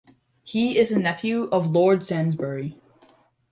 He is the nephew of Lord Sainsbury.